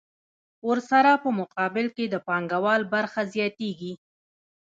ورسره په مقابل کې د پانګوال برخه زیاتېږي